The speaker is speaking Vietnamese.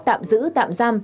tạm giữ tạm giam